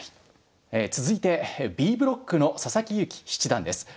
続いてＢブロックの佐々木勇気七段です。